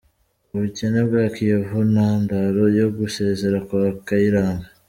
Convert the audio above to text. Ubukene bwa Kiyovu intandaro yo gusezera kwa Kayiranga